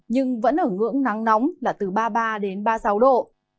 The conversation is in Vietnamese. nhưng vẫn ở ngưỡng nắng nóng là từ ba mươi ba đến ba mươi sáu độ